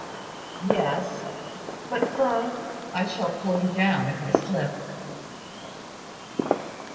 "Yes: but, Firth, I shall pull you down, if I slip."